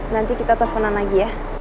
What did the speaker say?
nanti kita pesanan lagi ya